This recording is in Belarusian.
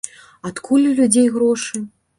Адкуль у людзей грошы?